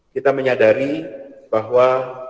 kita menyadari bahwa